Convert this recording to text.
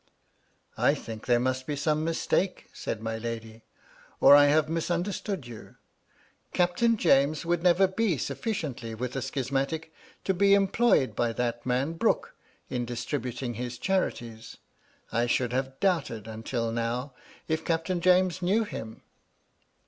^^I think there must be some mistake/' said my lady, "or I have misunderstood you. Captain James would never be suflSciently with a schismatic to be employed by that man Brooke in distributing his charities. I should have doubted, until now, if Captain James knew him."